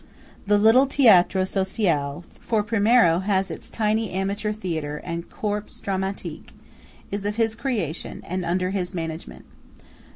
The little Teatro Sociale (for Primiero has its tiny amateur theatre and corps dramatique) is of his creation, and under his management.